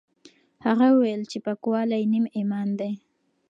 هغه وویل چې پاکوالی نیم ایمان دی.